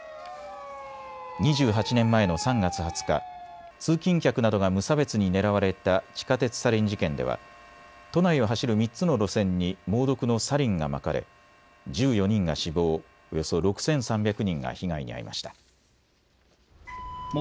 ２８年前の３月２０日、通勤客などが無差別に狙われた地下鉄サリン事件では都内を走る３つの路線に猛毒のサリンがまかれ１４人が死亡、およそ６３００人が被害に遭いました。